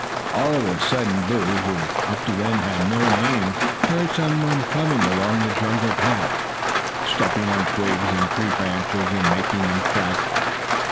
All of a sudden Boo, who up to then had no name, heard some one coming along the jungle path, stepping on twigs and tree branches and making them crack.